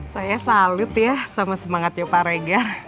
saya salut ya sama semangatnya pak regar